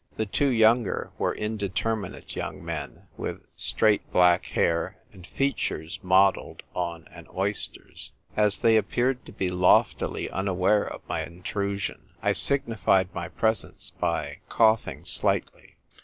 The two younger were indeterminate young men, with straight black hair, and features modelled on an oyster's. As they appeared to be loftily unaware of my intrusion, I signified my presence by coughing slightly.